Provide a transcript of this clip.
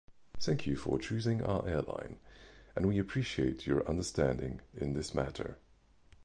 Thank you for choosing our airline, and we appreciate your understanding in this matter.